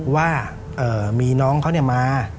ว่ามีน้องเขาเนี่ยมา